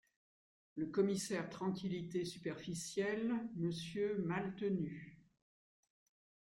Le Commissaire Tranquillité superficielle, Monsieur Maltenu…